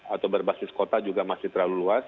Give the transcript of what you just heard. atau berbasis kota juga masih terlalu luas